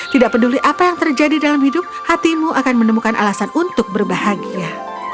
tidak peduli apa yang terjadi dalam hidup hatimu akan menemukan alasan untuk berbahagia